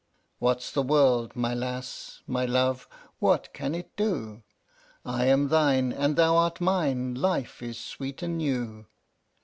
II. What's the world, my lass, my love! what can it do? I am thine, and thou art mine; life is sweet and new.